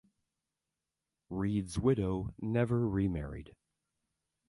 Reid's widow never remarried.